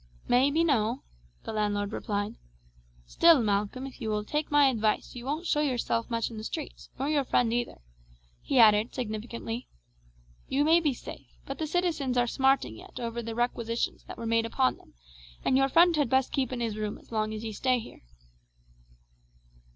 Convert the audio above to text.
"May be no," the landlord replied. "Still, Malcolm, if you will take my advice you won't show yourself much in the streets, nor your friend either," he added significantly. "You may be safe, but the citizens are smarting yet over the requisitions that were made upon them, and your friend had best keep in his room as long as ye stay here."